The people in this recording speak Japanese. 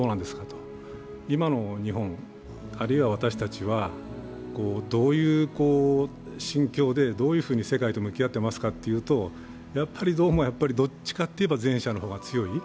と、今の日本あるいは私たちはどういう心境でどういうふうに世界と向き合っていますかというとやっぱりどうもどっちかといえば前者の方が強い。